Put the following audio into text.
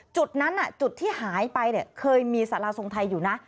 จุดนั้นจุดที่หายไปเนี่ยเคยมีสาราทรงไทยอยู่นะ